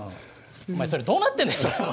お前それどうなってんだよ。